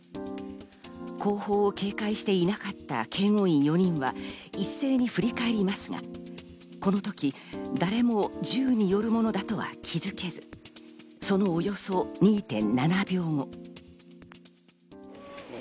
後方を警戒していなかった警護員４人は一斉に振り返りますが、この時、誰も銃によるものだとは気付けず、そのおよそ２．７秒後。